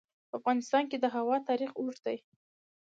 په افغانستان کې د هوا تاریخ اوږد دی.